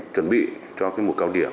chuẩn bị cho mục cao điểm